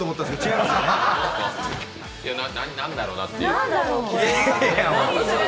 いや、何だろうなっていう。